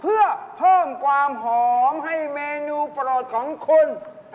เพื่อเพิ่มความหอมให้เมนูโปรดของคุณ